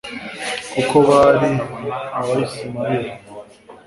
kuko bari abayismaheli